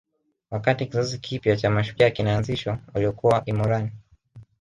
Wakati kizazi kipya cha mashujaa kinaanzishwa waliokuwa Ilmoran